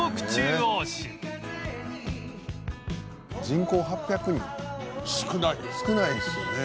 「人口８００人」「少ないね」